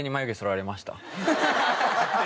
ハハハハ！